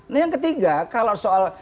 nah yang ketiga kalau soal